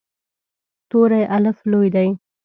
توری “الف” لوی دی.